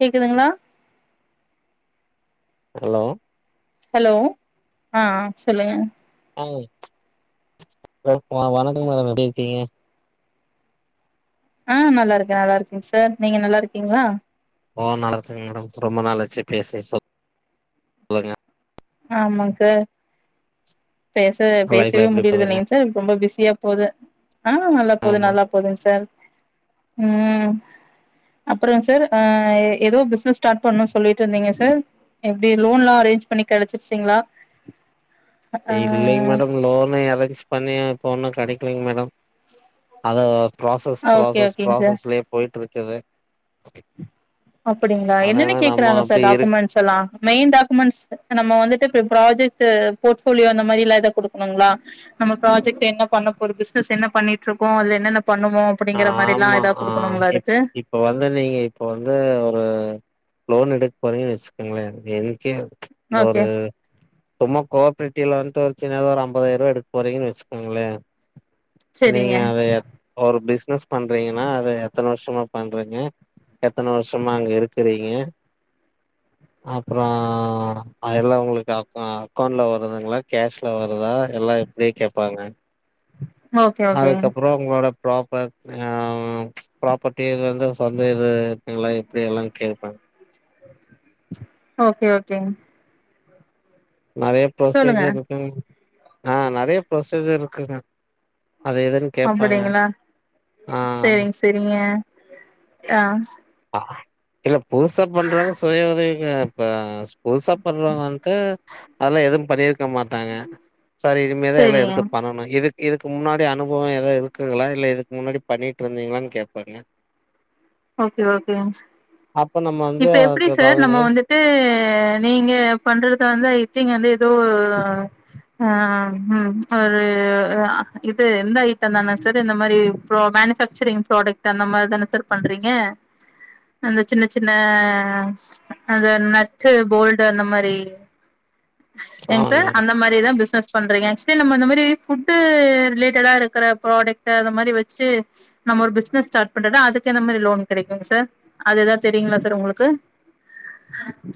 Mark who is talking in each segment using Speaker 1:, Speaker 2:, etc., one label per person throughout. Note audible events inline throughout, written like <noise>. Speaker 1: கேக்குதுங்ளா
Speaker 2: hello
Speaker 1: hello ஆ ஆ சொல்லுங்க
Speaker 2: ஆமா ஹலோ வணக்கம் மேடம் எப்டி இருக்கீங்க
Speaker 1: ஆ நல்லாருக்கே நல்லாருக்கேங் சார் நீங்க நல்லாருக்கீங்கலா
Speaker 2: ஓ நல்லாருக்கேங் மேடம் ரொம்ப நாளாச்சு பேசி சொல்லுங்க
Speaker 1: ஆமாங் சார் பேசவே
Speaker 2: லைஃப்லா
Speaker 1: பேசவே
Speaker 2: எப்டி போதுங்க
Speaker 1: முடியர்தில்லிங் இப்ப ரொம்ப பிஸியா போது ஆ நல்லா போது
Speaker 2: ஆமா
Speaker 1: நல்லா போதுங் சார் ம் அப்றோ சார் ஆ எதோ பிஸ்னஸ் ஸ்டார்ட் பண்ணு சொல்லிட்ருந்தீங்க சார் எப்டி லோன்லா அரேஞ்ச் பண்ணி கெடைச்சிருச்சிங்ளா
Speaker 2: இல்லைங் மேடம் லோன அரேஞ்ச் பண்ணி இப்போ ஒன்னு கெடைக்கலைங்கக்ஞற மேடம் அதப் பிராசஸ்
Speaker 1: ஓகே
Speaker 2: பிராசஸ்
Speaker 1: ஓகேங்க சார்
Speaker 2: பிராசஸ்லயே போய்ட்டு இருக்குது
Speaker 1: அப்டிங்ளா என்னென்ன
Speaker 2: அதனால நம்ம
Speaker 1: கேக்குறாங்க சார்
Speaker 2: அப்டி இருக்கு
Speaker 1: டாக்குமெண்ட்ஸ் எல்லா மெயின் டாக்குமெண்ட்ஸ் நம்ம வந்துட்டுப்ப ப்ரம் ப்ராஜெக்ட் ஃபோர்ட் போலியோளா இந்த மாதிரிலா எத குடுக்குணு உங்கள நம்ம ப்ராஜெக்ட் என்ன பண்ண போற பிசினஸ் என்ன பண்ணிட்ருக்கோ அது என்னென்ன பண்ணுவோ அப்டிங்கிற மாதிரி எல்லா ஏதா குடுக்கணும்ளா அதுக்கு
Speaker 2: இப்போ வந்து நீங்க இப்போ வந்து ஒரு லோன் எடுக்க போறீங்கன்னு வச்சுக்கோங்கள என்கே இந்த
Speaker 1: ஓகே
Speaker 2: ஒரு சும்மா கோ ஆப்ரேட்டி எல்லா தோரச்சி நேரம் வாராம் போது ஒரு ஐம்பதாயிர ரூபா எடுக் போறங்கின் வச்சுக்கோங்கள நீங்க
Speaker 1: செரிங்க
Speaker 2: அவையப் ஒரு பிசினஸ் பண்றீங்கன்னா அது எத்தன வருஷமா பண்றங்க எத்தன வருஷமா அங்க இருக்கிறீங்க அப்புறா ஐ எல்லா உங்ளுக்கு அக் அக்கௌண்ட்ல வருதுங்ளா கேஷ்ல வருதா எல்லா எப் டியே கேப்பாங்க
Speaker 1: ஓகே ஓகேங்க
Speaker 2: அதுக்கப்ரோ உங்ளோடப் ப்ராப்பரி அ <unintelligible> ப்ராப்பர்ட்டி எது வந்து சொந்த இது இருப்பங்களா எப்டி எல்லா கேக்
Speaker 1: ஓகே ஓகே
Speaker 2: நெறைய
Speaker 1: சொல்லுங்க
Speaker 2: ப்ரொசீஜர் இருக்கு ஆ நெறைய ப்ரொசீஜர் இருக்குங்க அத இதன் கேப்பாங்க அஆ
Speaker 1: சரிங்க ஆ
Speaker 2: ஆ இல்ல புதுசா பண்றவங்க சுய உதவிக்க ப புதுசா பண்றவன்கு அதெல்லா எது பண்ணிருக்க மாட்டாங்க சரி இனிமே தா எல்லா
Speaker 1: செரிங்க
Speaker 2: எடுத்து பண்ணணு இதுக் இதுக்கு முன்னாடி அனுபவோ எதா இருக்குங்ளா இல்ல இதுக்கு முன்னாடி பண்ணிட்டு இருந்தீங்ளான்னு கேப்பாங்க
Speaker 1: ஓகே ஓகேங் சார்
Speaker 2: அப்ப நம்ம வந்து
Speaker 1: இப்ப எப்டி
Speaker 2: அதுக்கு
Speaker 1: சார்
Speaker 2: தகுந்த
Speaker 1: நம்ம
Speaker 2: மாரி
Speaker 1: வந்து து நீங்க பண்றதுதாந்தா இத்திங் வந்து ஏதோ அம் ம் ஒரு இது ஆ இது இந்த ஐட்டோ தான செது இந்த மாரி ப்ரோ மேனுஃபக் சரிங் ப்ராடக்ட் அந்த மாரிதான சார் பண்றீங்க அந்த சின்ன சின்ன அந்த நட்ஸ்ஸு போல்டு அந்த மாரி எங்
Speaker 2: ஆமாங்க.
Speaker 1: சார் அந்த மாரி தா பிசினஸ் பண்றங்க ஆக்ட்சுவலி நம்ம இந்த மாரி ஃபுட்டு ரிலேட்டடா இருக்க ப்ராடக்ட்டு அந்த மாரி வச்சி நம்ம ஒரு பிஸ்னஸ் ஸ்டார்ட் பண்றத அது எத்த மாரி லோன் கெடைக்குங்க சார் அது எதனா தெரியுங்ளா சார் உங்ளுக்கு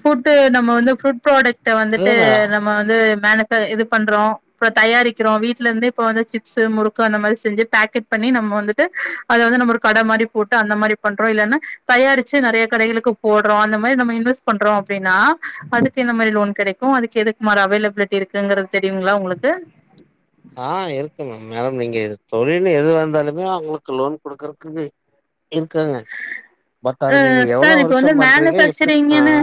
Speaker 1: புட்டு நம்ம வந்து ஃ புட் ப்ராடக்ட வந்துட்டு
Speaker 2: அதுதான் மேடம்.
Speaker 1: நம் ம வந்து மேனுஃபே இது பண்றோ இப்போ தயாரிக்கிறோ வீட்ல இருந்து இப்ப வந்து சிப்ஸ்ஸு முறுக்கு அந்த மாரி செஞ்சி பாக்கெட் பண்ணி நம்மோ வந்துட்டு அத வந்து நம்ம ஒரு கட மாரி போட்டு அந்த மாரி பண்றோ இல்லன்னா தயாரிச்சி நெறைய கடைகளுக்கு போடுறோ அந்த மாரி நம்ம இன்வெஸ் பண்றோ அப்டின்னா அதுக்கு இந்த மாரி லோன் கெடைக் கோ அதுக்கு எதுக்கு மாரா அவைலபிலிட்டி இருக்குங்கிறது தெரியுங்ளா உங்ளுக்கு
Speaker 2: ஆ இருக்கு மேம் மேடம் நீங்க தொழில் எதுவாந்தாலுமே அவங்களுக்கு லோன் குடுக்கறக்குமே இருக்காங்க பட் அத
Speaker 1: ஆ
Speaker 2: நீங்க எவ்ளோ
Speaker 1: சார் இப்ப
Speaker 2: வருஷோ
Speaker 1: வந்து
Speaker 2: பண்றீங்க எப்டிபு ஆ
Speaker 1: மேனுஃபேக்சரிங்ன்னு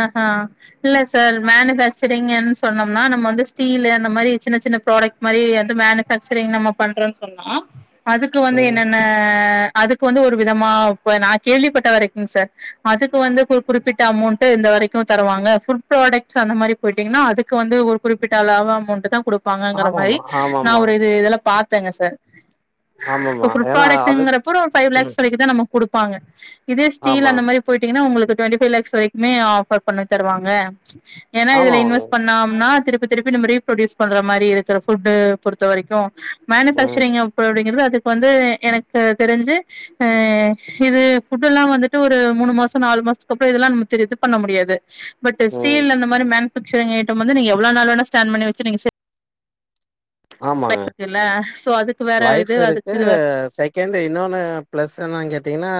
Speaker 1: அஹா இல்ல சார் மேனுஃபேக்ச்சரிங் எண் சொன்னோம்னா நம்ம வந்து ஸ்டீல் அந்த மாரி சின்ன சின்ன ப்ராடக்ட் மாரி அது மேனுஃபாக்ச்சரிங் நம்ம பண்றோன்னு சொன்னா அதுக்கு வந்து
Speaker 2: ம்.
Speaker 1: என்னன் ஆ அதுக்கு வந்து ஒரு விதமா ப்ப நா கேள்விப்பட்ட வரைக்குங் சார் அதுக்கு வந்து குறு குறிப்பிட்ட அமௌண்ட் ட்டு இந்த வரைக்கு தருவாங்க ஃபுட் ப்ராடக்ட்ஸ் அந்த மாறி போயிடிங்ன்னா அதுக்கு வந்து ஒரு குறிப்பிட்ட அளவ அமௌண்ட் தா குடு ப்பாங்கங்கற மாறி
Speaker 2: ஆமாமா,
Speaker 1: நா
Speaker 2: ஆமாமா,
Speaker 1: ஒரு இது இதுல பாத்தங்க சார் இப்ப
Speaker 2: ஆமாமா.
Speaker 1: ஃபுட்
Speaker 2: ஏன்னா அதுக்
Speaker 1: ப்ராடக்ட்ஸ்ங்கறப்ப ஒரு ஃபைவ் லாக்ஸ் வரைக்கு தா நமக்கு குடுப்பங்க இதே ஸ்டீல்
Speaker 2: ஆமா,
Speaker 1: அந்த மாறி போயிட்டீங்கன்னா உங்களுக்கு டுவெண்ட்டி ஃபைவ் லக்ஸ் வரை யுமே ஆஃபர் பண்ணி தருவாங்க ஏன்னா இதுல
Speaker 2: ஆமாங்க.
Speaker 1: இன்வெஸ் பண்ணாம்னா திருப் பித் திருப்பி நம்ம ரீப்ரொடியூஸ் பண்ற மாறி இருக்கிற ஃபுட்டு பொறுத்த வரைக்கோ
Speaker 2: ம்.
Speaker 1: மேனுஃபேக்ச்சரிங் ஆப்அப்டிங்கறது அதுக்கு வந்து எனக்கு தெரிஞ்சு அ இது ஃபுட்டுல்லா வந்துட்டு ஒரு மூணு மாசோ நாலு மாசத்துக்குப்றோ இதெல்லா நம்ம இது பண்ண முடியாது பட்
Speaker 2: ம்.
Speaker 1: ஸ்டீல் அந்த மாறி மேனு ஃபேக்ச்சரிங் ஐட்டம் வந்து நீங்க எவ்ளோ நாள் வேணா ஸ்டான் பண்ணி வச்சு நீங்க சே
Speaker 2: ஆமாங்க
Speaker 1: இருக்குல்ல சோ அதுக்கு வேற
Speaker 2: லைஃப்
Speaker 1: இது அதுக்கு
Speaker 2: இருக்கு
Speaker 1: இது வேற
Speaker 2: சை கேந்து இன்னொன்னு பிளஸ் என்னானு கேட்டீங்ன்னா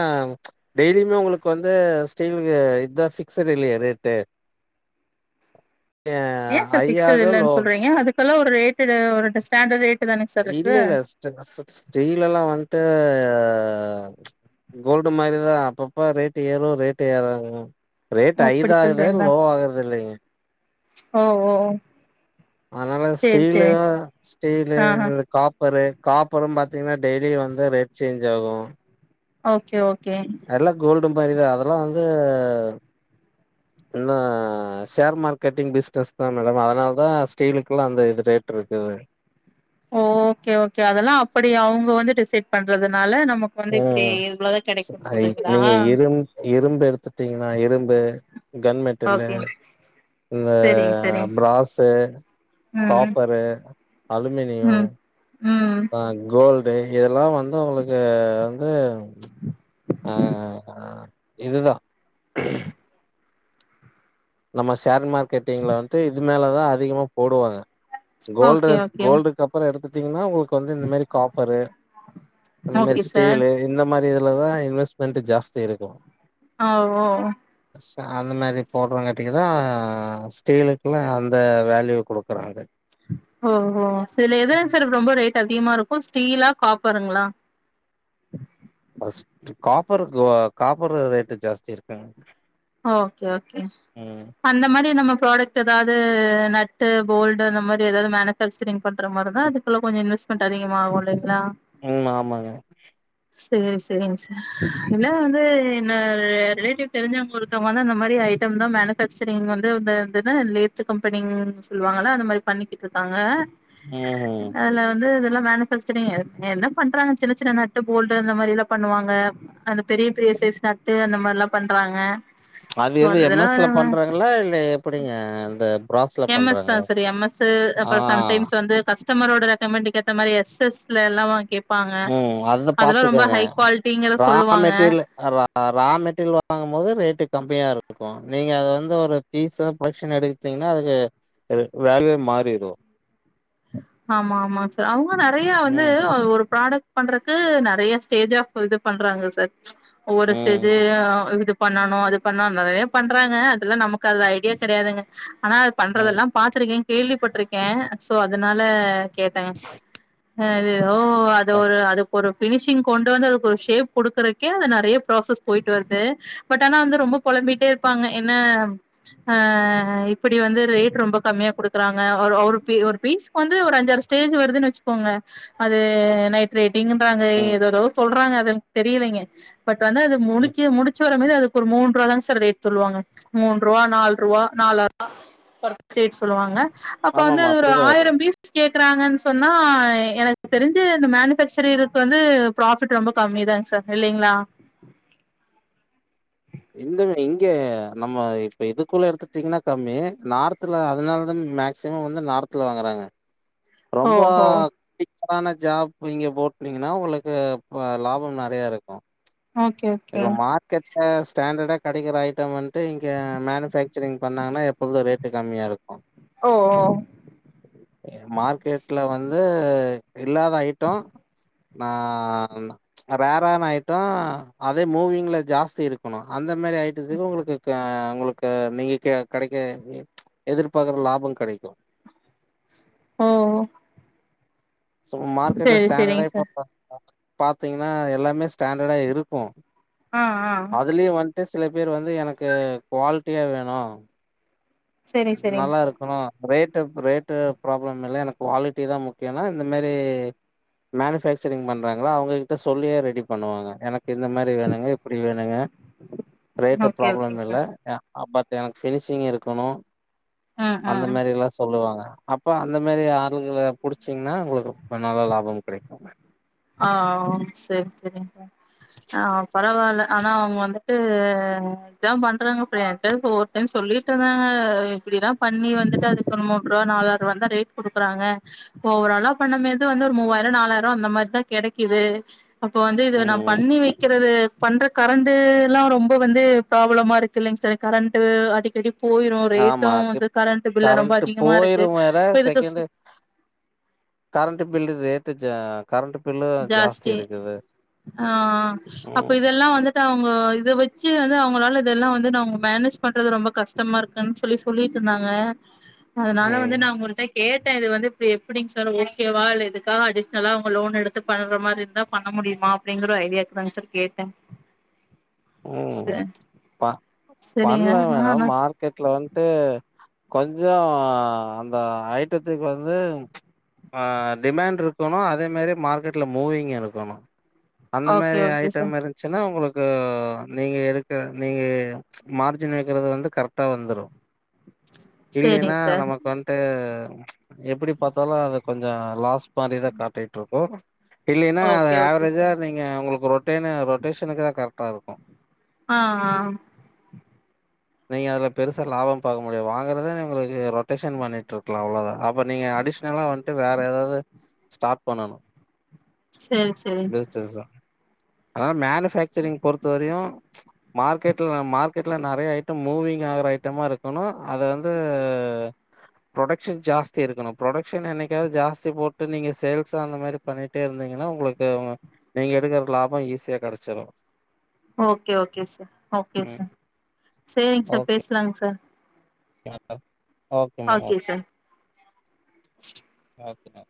Speaker 2: டெய்லியுமே உங்களுக்கு வந்து ஸ்டீல்ல இதா ஃபிக்சட் இல்லயே ரேட்டு அ
Speaker 1: ஏ சார் ஃபிக்ஸட்
Speaker 2: ஹையாக லோ
Speaker 1: இல்லன்னு சொல்றீங்க அதுக்கெல்லா ஒரு ரேட்டு ஒரு ஸ்டாண்டர்ட் ரேட்டு தான சார் இருக்கு
Speaker 2: ஸ்ட் ஸ்டீலல்லா வந்ட்டு கோல்டு மாறிதா அப்பப்ப ரேட்டு ஏறு ரேட்டு எறங்கோ ரேட்
Speaker 1: ஓ அப்படி
Speaker 2: ஐதாகுதே
Speaker 1: சொல்றீங்களா
Speaker 2: லோ ஆகுறதில்லைங்க
Speaker 1: ஓ ஓ
Speaker 2: அதனால
Speaker 1: சேரி
Speaker 2: ஸ்டீல
Speaker 1: சேரிங் சா
Speaker 2: ஸ்டீலு
Speaker 1: ஆஹா
Speaker 2: காப் ப்பரு காப்புறம் பாத்தீங்கன்னா டெய்லி வந்து ரேட் சேஞ்ச் ஆகும்
Speaker 1: ஓகே ஓகே
Speaker 2: எல்லாம் கோல்டு மாதிரிதா அதெல்லாம் வந்து என்ன ஷேர் மார்க்கெட்டிங் பிஸ்னஸ் தா மேடம் அதனால தா ஸ்டீலுக்குல்லாம் அந்த இது ரேட் இருக்குது
Speaker 1: ஓகே ஓகே அதெல்லாம் அப்படி அவங்க வந்து டிசைட் பண்றதுனால நம
Speaker 2: ம் கை நீங்க இரும் இரும்பு எடுத்துட்டீங்கன்னா இரும்பு கன் மெட்டல்
Speaker 1: ஓகே
Speaker 2: இந்த
Speaker 1: சரிங்க சரிங்க
Speaker 2: பிராஸு
Speaker 1: ம்
Speaker 2: காப்பரு அலுமினியம்
Speaker 1: ம் ம்
Speaker 2: ஆ கோல்டு இதெல்லாம் வந்து உங்களுக்கு வந்து ஆஇதுதான் நம்ம ஷேர் மார்க்கெட்டிங்ல வந்துட்டு இது மேலதா அதிகமா போடுவாங்க கோல்டு
Speaker 1: ஓகே ஓகே
Speaker 2: கோல்டுக்கப்புறம் எடுத்துட்டீங்கன்னா உங்களுக்கு வந்து இந்த மாறி காப்பரு இந்த மாறி
Speaker 1: ஓகே சார்
Speaker 2: ஸ்டீல இந்த மாதிரி இதுலதான் இன்வெஸ்ட்மென் ஜாஸ்தி இருக்கும்
Speaker 1: ஓ ஓ
Speaker 2: அந்த மாதிரி போடுறங்க அதான் ஸ்டீலுக்குலாம் அந்த வேல்யூ கொடுக்குறாங்க
Speaker 1: ஓஹோ இதுல எதுலுங் சார் ரொம்ப ரேட் அதிகமா இருக்கும் ஸ்டீலா காப்பாருங்களா
Speaker 2: காப்பர் காப்பரு ரேட்டு ஜாஸ்தி இருக்குங்க
Speaker 1: ஓகே ஓகேங் சா
Speaker 2: ம்
Speaker 1: அந்த மாதிரி நம்ம ப்ராடக்ட் ஏதாவது நட்டு போல்டு அந்த மாதிரி ஏதாவது மேனுஃபேக்சரிங் பண்ற மாதிரி தான் அதுக்கு ல்ல கொஞ்சம் இன்வெஸ்ட்மெண்ட் அதிகமாகும் இல்லைங்களா
Speaker 2: உம் ஆமாங்க
Speaker 1: சேரி சேரிங்க சார் இதுல்லா வந்து என்ன ரிலேட்டிவ் தெரிஞ்சவங்க அந்த மாதிரி ஐட்டம் தா மேனுஃபாக்சரிங் வந்து இது என்ன லேத்து கம்பெனி சொல்லுவாங்கள அந்த மாரி பண்ணிக்கிட்டு இருக்காங்க
Speaker 2: ம்
Speaker 1: அதுல வந்து இதெல்லா மேனு என்ன பண்றாங்க சின்ன சின்ன நட்டு போல்டு அந்த மாரில்லா பண்ணுவாங்க அந்த பெரிய பெரிய சைஸ் நட்டு அந்த மாரில்லா பண்றாங்க
Speaker 2: அது
Speaker 1: சோ
Speaker 2: எது
Speaker 1: அதெல்லா
Speaker 2: எம்எஸ்ல
Speaker 1: நம்ம
Speaker 2: பண்றாங்ளா இல்ல எப்டிங்க இந்த பிராஸ்ல
Speaker 1: எம் எஸ் தா
Speaker 2: பண்றாங்ளா
Speaker 1: சார் எம் அப்புறோ சம்டைம்ஸ் வந்து கஸ்டமரோட ரெக்கமெண்ட்டுக்கு ஏத்த மாரி எஸ் எஸ் லல்லா
Speaker 2: ம் அதுதா பாத்துக்கோங்க
Speaker 1: குவாலிட்டிங்கற சொல்லுவாங்க
Speaker 2: வாங்ரதே இல்ல ரா மெட்டீரியல்ல வாங்கும் போது ரேட்டு கம்மியாருக்கு நீங்க அத வந்து ஒரு பீஸோ பக்ஷன் எடு பாத்தீங்கன்னா அதுக்கு வேல்யூ மாறிரு
Speaker 1: ஆமா ஆமா சார் அவுங்க நிறையா வந்து
Speaker 2: ம்
Speaker 1: ஒரு ப்ராடக்ட் பண்றதுக்கு நிறையா ஸ்டேஜ் ஆ இது பண்றாங்க சார் ஒவ்வொரு
Speaker 2: ம்
Speaker 1: ஸ்டேஜயு இது பண்ணனு அது பண்ணு நிறைய பண்றாங்க அதெல்லா நமக்கு அது ஐடியா கிடையாதுங்க ஆனா அது
Speaker 2: ம்
Speaker 1: பண்றதெல்லா பாத்துருக்கே கேள்விப்பட்ருக்கே சோ அதனால கேட்டே அ ஓ அது ஒரு அது ஒரு ஃபினிஷிங் கொண்டு வந்து அதுக்கு ஒரு ஷேப் கொடுக்குறக்கே அத நிறைய ப்ராசஸ் போய்ட்டு வருது பட் ஆனா வந்து ரொம்ப பொழம்பிட்டே இருப்பாங்க என்ன ஆஹ் இப்டி வந்து ரேட் ரொம்ப கம்மியா கொடுக்குறாங்க ஒரு ஒரு ஒரு பீஸ்கு வந்து ஒரு அஞ்சறு ஸ்டேஜ் வருதுன்னு வச்சுக்கோங்க அது நைட்ரைட்டிங்ன்றாங்க
Speaker 2: ம்
Speaker 1: எதேதோ சொல்றாங்க அது எனக்கு தெரியலைங்க பட் வந்து அது
Speaker 2: ம்
Speaker 1: முடிக்க முடிச் வரு மோதே அதுக்கு ஒரு மூணு ரூவா தாங்க சார் வெய்ட் சொல்லுவாங்க மூண் ரூவா நாலு ரூவா நாலா ரூவா பர் பேக் சொல்லுவாங்க அப்ப வந்து
Speaker 2: ஆமாமா.
Speaker 1: ஒரு
Speaker 2: அப்படிதான் வரும்.
Speaker 1: கேக்குறாங்கன்னு சொன்னா எனக்கு தெரிஞ்சு இந்த மேனுபக்சரியர்க்கு வந்து ப்ராஃபிட் ரொம்ப கம்மி தாங்க சார் இல்லைங்ளா
Speaker 2: இந்த இங்க நம்ம இப்ப இதுக்குள்ள எடுத்துட்டீங்கன்னா கம்மி நார்த்துல அதனாலதா மே க்சிமம் வந்து நார்த்ல வாங்குறாங்க
Speaker 1: உ
Speaker 2: ரொம்ப டிக்கான ஜாப் நீங்க போட்னீங்கன்னா உங்களுக்கு லாபம் நிறைய இருக்கு
Speaker 1: ஓகே ஓகே
Speaker 2: இப்ப மார்க்கெட்ல ஸ்டேன்டர்டா கிடைக்கிற ஐட்டம் வந்ட்டு இங்க மேனுஃபாக் சரிங் பண்ணாங்ன்னா எப்பொழுது ரேட்டு கம்மியா இருக்கு
Speaker 1: ஓ ஓ
Speaker 2: மார்க்கெட்ல வந்து இல்லாத ஐட்டோ நா ரேரான் ஆயிட்டா அதே மூவிங்ல ஜாஸ்தி இருக் அந்த மாதிரி ஐயிட்டதுக்கு உங்களுக்கு உங்களுக் கு நீங்க கிடைக்க எதிர்பாக்குற லாபோ கிடைக்கு
Speaker 1: ஓ
Speaker 2: சோ மார்க்கெட்ல
Speaker 1: செரி
Speaker 2: ஸ்டாண்டர்டா
Speaker 1: செரிங்க சார்
Speaker 2: இப்ப பாத்தீங்கன்னா எல்லாமே ஸ்டாண்டர்டா இருக்கு
Speaker 1: ஆ ஆ
Speaker 2: அதுலயு வந்ட்டு சில பேர் வந்து எனக்கு குவாலிட்டியா வேணு
Speaker 1: செரி செரிங்க
Speaker 2: நல்லா
Speaker 1: சார்
Speaker 2: இருக்கணு ரேட் ரேட்டு ப்ராப்ளம் இல்ல எனக்கு குவாலிட்டி தா முக்கியோனா இந்த மாரி மேனுஃபேக்சரிங் பண்றாங்கள அவங்ககிட்ட சொல்லியே ரெடி பண்ணுவாங்க எனக்கு இந்த மாரி வேணுங்க இப்டி வேணுங்க
Speaker 1: <inaudible>
Speaker 2: ரேட்டு
Speaker 1: ஓகே
Speaker 2: ப்ராப்ளம் இல்ல
Speaker 1: சார்
Speaker 2: அ பட் எனக்கு ஃபினிஷிங் இருக்கணு
Speaker 1: ம்
Speaker 2: அந்த
Speaker 1: ம்
Speaker 2: மாதிரி எல்லா சொல்லுவாங்க அப்ப அந்த மாரி ஆள்கள புடிச்சிங்கன்னா உங்ளு நல்ல லாபம் கெடக்கும்
Speaker 1: ஆ சேர் செரிங் சா ஆ பரவால்ல ஆனா அவுங்க வந்துட்டு இப்டி தாம் பண்றாங்க அப்றோ என்ட்ட ஒர் டைம் சொல்லிட்ருந்தாங்க இப்படில்லாம் பண்ணி வந்துட்டு அது ஒ மூன்ரூபா நாலாற்வா தான் ரேட் குடுக்கறாங்க இப்ப ஓரளா பண்ணமேது வந்து ஒரு மூவாயிரோ நாலாயிரோ அந்த மாரிதா கெடைக்குது அப்போ வந்து இத நா
Speaker 2: ம்
Speaker 1: பண்ணி வெக்றது பண்ற கரண்டுலா ரொம்ப வந்து ப்ராப்ளமா இருக்கு இல்லைங் சார் கரண்ட்டு அடிக்கடி போயிரு ரேட்டு
Speaker 2: ஆமா
Speaker 1: வந்து
Speaker 2: இப்
Speaker 1: கரண்ட்டு பில்லு ரொம்ப
Speaker 2: கரண்ட்
Speaker 1: அதிகமா இருக்கு
Speaker 2: போயிரு வேற
Speaker 1: இப்ப இதுக்கு
Speaker 2: கரண்ட்டு பில்லு ரேட்டு ஜா கரண்ட்டு பில்லு
Speaker 1: ஜாஸ்தி ஆ அப்ப
Speaker 2: ம்
Speaker 1: இதெல்லா வந்து ட்டு அவுங்க இத வச்சு வந்து அவுங்களால இதெல்லா வந்து அவுங்க மேனேஜ் பண்றது ரொம்ப கஷ்டமா இரு ன் சொல்லி சொல்லிட்ருந்தாங்க அதனால
Speaker 2: ம்
Speaker 1: வந்து நா உங்கள்ட்ட கேட்ட இது வந்து இப்டி எப்டிங்சார் ஓக்கேவா இல்ல இதுக்காக அடிஷ்னலா அவுங்க லோன் எடு த்து பண்ற மாரி இருந்தா பண்ண முடியுமா அப்டிங்குற ஐடியாக் தாங் சார் கேட்டே
Speaker 2: ம்
Speaker 1: ச சரிங்க <unintelligible>
Speaker 2: கிரிக்கெட்ல வன்ட்டு கொஞ்சோ அந்த ஐட்டத்துக்கு வந்து அ டிமேண்ட்ருக்கணு அதே மாரி மார்க்கெட்ல மூவிங்க் இனுக்கணு அந்த மாரி
Speaker 1: ஓகே ஓகே
Speaker 2: ஐட்டம்
Speaker 1: சார்
Speaker 2: இருந்ச்சுனா உங்களுக்கு நீங்க எடுக்ற நீங்க மார்ஜின் வக்கறது வந்து கரெக்டா வந்துரு இல்லனா
Speaker 1: சரிங்க சார்
Speaker 2: நமக் இப்ப வன்ட்டு எப்படி பாத்தாலு அது கொஞ்சோ லாஸ் மாரிதா காட்டிட்ருக்கு இல்லனா அது
Speaker 1: ஓகே ஓகே
Speaker 2: ஆவரேஜா
Speaker 1: சார்
Speaker 2: நீங்க உங்களுக்கு ரொட்டேனு ரொட்டேஷனுக்கு தா கரெக்ட்டா இருக்கு
Speaker 1: ஆ ஆ
Speaker 2: நீங்க அதுல பெருசா லாபோ பாக்க முடியாது வாங்கறத உங்களுக்கு ரொட்டேஷன் பண்ணிட்ருக்கலா அவ்ளோதா அப்ப நீங்க அடிஷ்னலா வ ட்டு வேற ஏதாவது ஸ்டார்ட் பண்ணனு
Speaker 1: சரி சரிங்க சார்
Speaker 2: பிசினஸ் தா அதனால மேனு ஃபேக்சரிங் பொறுத்த வரையு மார்க்கெட்ல மார்க்கெட்ல நெறைய ஐட்டம் மூவிங் ஆகற ஐட்டமா இருக்கணு அது வ ந்து ப்ரொடக்ஷன் ஜாஸ்தி இருக்கணு ப்ரொடக்ஷன் என்னைக்காவது ஜாஸ்தி போட்டு நீங்க சேல்ஸ் அந்த மாரி பண்ணி ட்டே இருந்தீங்கன்னா உங்களுக்கு நீங்க எடுக்கிற லாபோ ஈசியா கெடைச்சிரு
Speaker 1: ஓக்கே ஓக்கே சார் ஓக்கே
Speaker 2: ம்.
Speaker 1: சார் சேரிங் சார் பேசலாங் சார்
Speaker 2: <unintelligible> ஓகேம்மா
Speaker 1: ஓகே சார்
Speaker 2: ஓகே